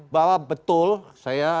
bahwa betul saya